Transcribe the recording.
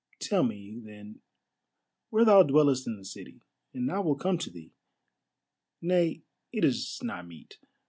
Tell me, then, where thou dwellest in the city, and I will come to thee. Nay, it is not meet.